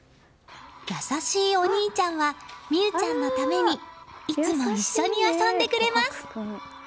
優しいお兄ちゃんは美兎ちゃんのためにいつも一緒に遊んでくれます。